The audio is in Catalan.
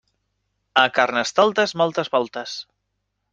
A Carnestoltes, moltes voltes.